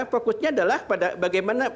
fokusnya adalah pada bagaimana